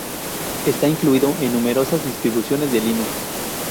Está incluido en numerosas distribuciones Linux.